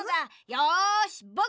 よしぼくが！